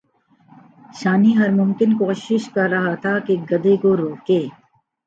شانی ہر ممکن کوشش کر رہا تھا کہ گدھے کو روکے